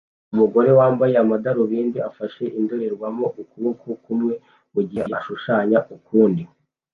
Umugore wambaye amadarubindi afashe indorerwamo ukuboko kumwe mugihe ashushanya ukundi